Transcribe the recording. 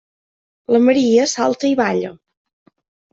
La Maria salta i balla.